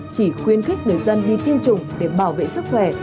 chỉ khuyên khích người dân đi tiêm chủng để bảo vệ sức khỏe